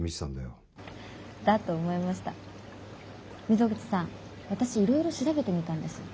溝口さん私いろいろ調べてみたんです。